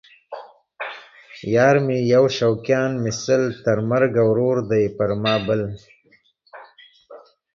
یار مې یو شوقیان مې سل ـ تر مرګه ورور دی پر ما بل